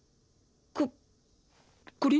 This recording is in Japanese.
ここれ？